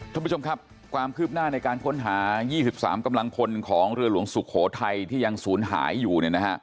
ท่านผู้ชมครับความคืบหน้าในการค้นหา๒๓กำลังพลของเรือหลวงสุโขทัยที่ยังศูนย์หายอยู่